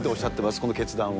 この決断を。